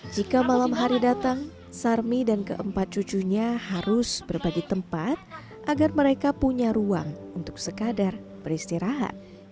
jika malam hari datang sarmi dan keempat cucunya harus berbagi tempat agar mereka punya ruang untuk sekadar beristirahat